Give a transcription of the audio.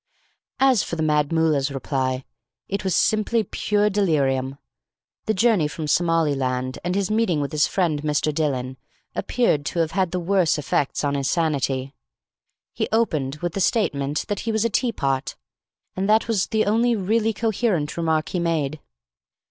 As for the Mad Mullah's reply, it was simply pure delirium. The journey from Somaliland, and his meeting with his friend Mr. Dillon, appeared to have had the worse effects on his sanity. He opened with the statement that he was a tea pot: and that was the only really coherent remark he made.